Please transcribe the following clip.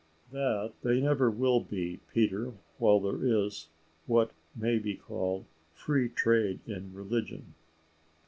"That they never will be, Peter, while there is, what may be called, free trade in religion."